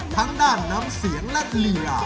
ทั้งด้านน้ำเสียงและลีลา